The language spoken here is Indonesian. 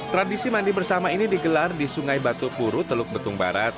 tradisi mandi bersama ini digelar di sungai batu puru teluk betung barat